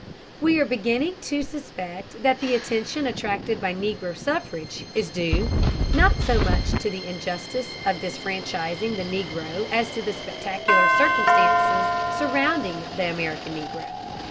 We are beginning to suspect that the attention attracted by Negro suffrage is due, not so much to the injustice of disfranchising the Negro as to the spectacular circumstances surrounding the American Negro.